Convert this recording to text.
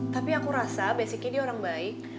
tapi aku rasa basicnya dia orang baik